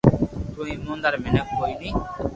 تو ايموندار مينک ڪوئي ني